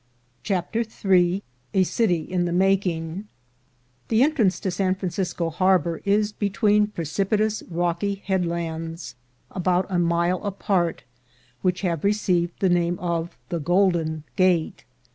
CHAPTER III A CITY IN THE MAKING fTlHE entrance to San Francisco harbor is between I precipitous rocky headlands about a mile apart, — which have received the name of the Golden Gate.